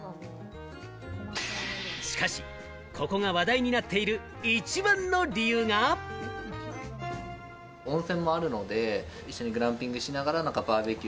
しかし、ここが話題になっている一番の理由が。え、行きたい！